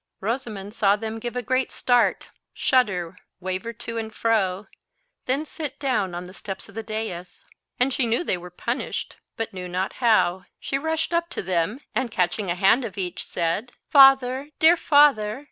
Rosamond saw them give a great start, shudder, waver to and fro, then sit down on the steps of the dais; and she knew they were punished, but knew not how. She rushed up to them, and catching a hand of each said— "Father, dear father!